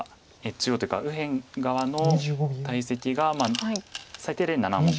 中央というか右辺側の大石が最低で７目。